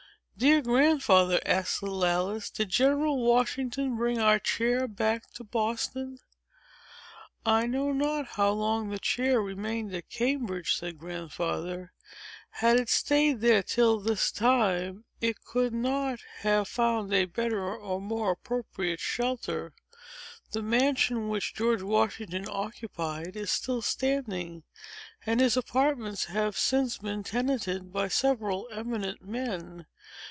"Dear Grandfather," asked little Alice, "did General Washington bring our chair back to Boston?" "I know not how long the chair remained at Cambridge," said Grandfather. "Had it staid there till this time, it could not have found a better or more appropriate shelter. The mansion which General Washington occupied is still standing; and his apartments have since been tenanted by several eminent men.